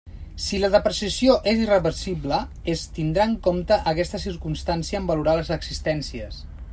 Si la depreciació és irreversible, es tindrà en compte aquesta circumstància en valorar les existències.